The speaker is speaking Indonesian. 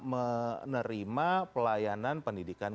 menerima pelayanan pendidikan